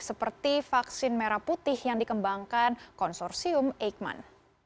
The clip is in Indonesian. seperti vaksin merah putih yang dikembangkan konsorsium eijkman